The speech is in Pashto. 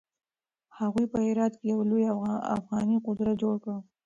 هغوی په هرات کې يو لوی افغاني قدرت جوړ کړ.